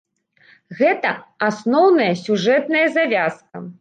Гэта асноўная сюжэтная завязка.